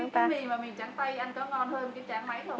cái mì mà mình tráng tay ăn có ngon hơn cái tráng máy không